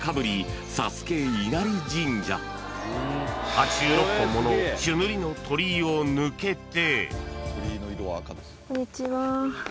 ［８６本もの朱塗りの鳥居を抜けて］